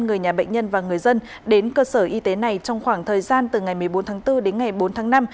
người nhà bệnh nhân và người dân đến cơ sở y tế này trong khoảng thời gian từ ngày một mươi bốn tháng bốn đến ngày bốn tháng năm